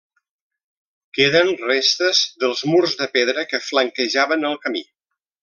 Queden restes dels murs de pedra que flanquejaven el camí.